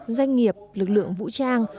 doanh nghiệp lực lượng vũ trang